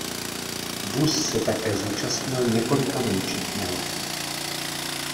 Vůz se také zúčastnil několika menších nehod.